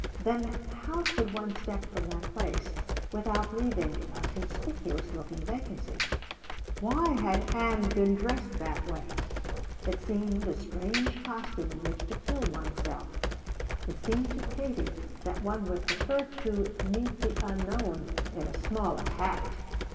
Then how could one step from that place without leaving a conspicuous looking vacancy? Why had Ann been dressed that way? It seemed a strange costume in which to kill one's self. It seemed to Katie that one would prefer to meet the unknown in a smaller hat.